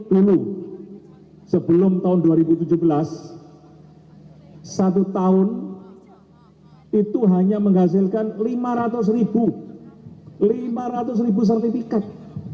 dulu sebelum tahun dua ribu tujuh belas satu tahun itu hanya menghasilkan lima ratus lima ratus sertifikat